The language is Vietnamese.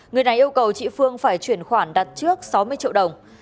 người này yêu cầu chị phương phải chuyển khoản đặt trước sáu mươi triệu đồng